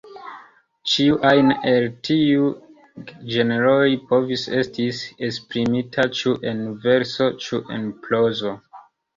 Ĉiu ajn el tiuj ĝenroj povis estis esprimita ĉu en verso ĉu en prozo.